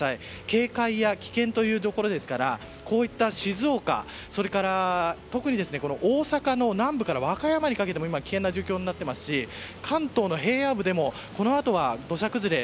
警戒や危険というところですからこういった静岡特に大阪の南部から和歌山にかけても危険な状況になっていますし関東の平野部でもこのあとは土砂崩れ。